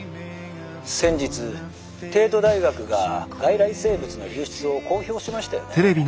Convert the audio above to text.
「先日帝都大学が外来生物の流出を公表しましたよね。